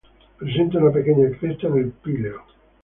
Presenta una pequeña cresta en el píleo.